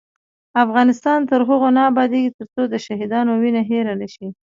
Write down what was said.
افغانستان تر هغو نه ابادیږي، ترڅو د شهیدانو وینه هیره نشي.